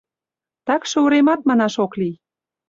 Такше уремат манаш ок лий.